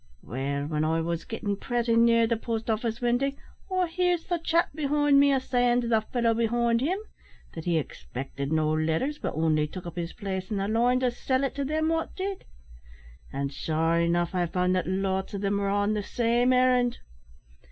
"Well, when I wos gittin' pretty near the post office windy, I hears the chap behind me a sayin' to the fellow behind him that he expected no letters, but only took up his place in the line to sell it to them what did. An' sure enough I found that lots o' them were there on the same errand.